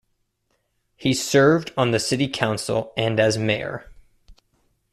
He served on the city council and as mayor.